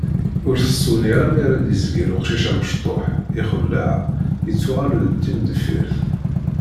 Ur tṣuni ara mi ara d-izger uqcic amecṭuḥ, ixelleɛ yettuɣal-d d timdeffirt.